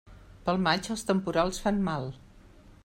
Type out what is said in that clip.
Pel maig, els temporals fan mal.